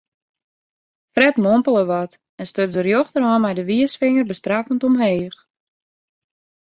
Fred mompele wat en stuts de rjochterhân mei de wiisfinger bestraffend omheech.